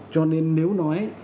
cho nên nếu nói